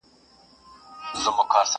o پر آس، ښځي او توري باور مه کوه٫